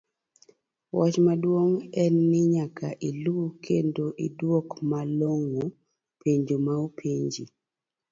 wach maduong en ni nyaka ilu kendo iduok malong'o penjo ma openji.